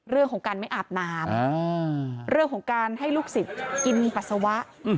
เรื่องของการไม่อาบน้ำเรื่องของการให้ลูกศิษย์กินปัสสาวะ